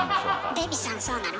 デヴィさんそうなの？